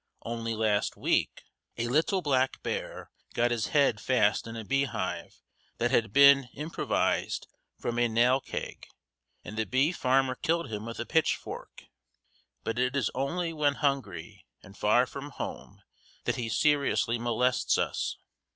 Only last week, a little black bear got his head fast in a bee hive that had been improvised from a nail keg, and the bee farmer killed him with a pitchfork; but it is only when hungry and far from home that he seriously molests us.